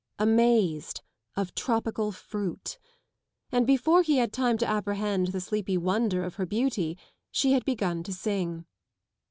Amazed, of tropical fruit. And before he had time to apprehend the sleepy wonder of her beauty, she had begun to sing.